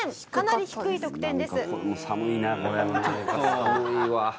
寒いわ。